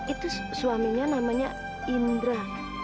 itu suaminya namanya indra